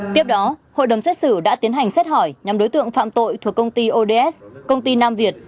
tiếp đó hội đồng xét xử đã tiến hành xét hỏi nhóm đối tượng phạm tội thuộc công ty ods công ty nam việt